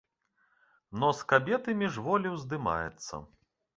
Нос кабеты міжволі ўздымаецца.